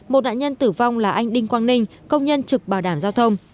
một nạn nhân tử vong là anh đinh quang ninh công nhân trực bảo đảm giao thông